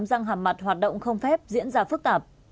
những phòng khám răng hàm mặt hoạt động không phép diễn ra phức tạp